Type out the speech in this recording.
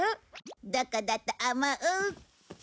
どこだと思う？